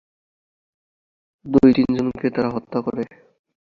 দুই-তিনজনকে তারা হত্যা করে।